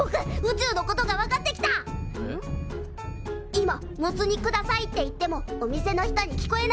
今「モツ煮下さい」って言ってもお店の人に聞こえないんだね。